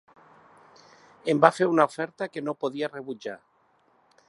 Em va fer una oferta que no podia rebutjar.